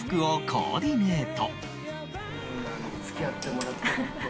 コーディネート。